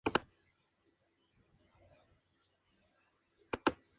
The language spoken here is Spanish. El álbum fue publicado en tres formatos diferentes.